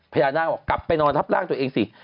พญานาคบอกกลับไปนอนทับร่างตัวเองสิ